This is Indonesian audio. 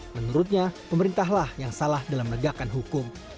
menurutnya pemerintahlah yang salah dalam menegakkan hukum